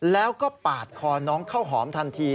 แล้วก็ปาดคอน้องข้าวหอมทันที